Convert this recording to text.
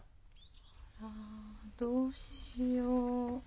あどうしよう。